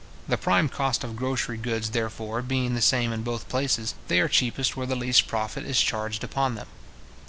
The prime cost of grocery goods, therefore, being the same in both places, they are cheapest where the least profit is charged upon them.